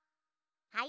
はい？